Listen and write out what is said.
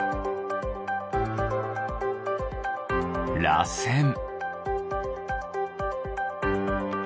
らせん。